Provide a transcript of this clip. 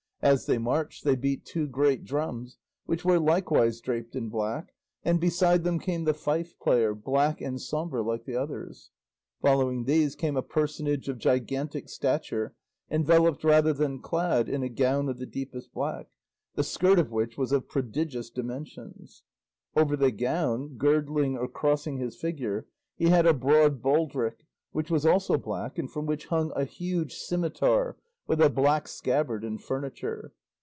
As they marched they beat two great drums which were likewise draped in black, and beside them came the fife player, black and sombre like the others. Following these came a personage of gigantic stature enveloped rather than clad in a gown of the deepest black, the skirt of which was of prodigious dimensions. Over the gown, girdling or crossing his figure, he had a broad baldric which was also black, and from which hung a huge scimitar with a black scabbard and furniture.